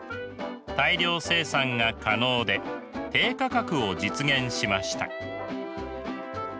大量生産が可能で低価格を実現しました。